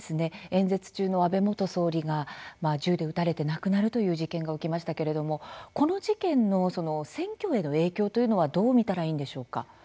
演説中の安倍元総理が銃で撃たれて亡くなるという事件が起きましたけれどもこの事件の選挙への影響というのはどう見たらいいんでしょうか。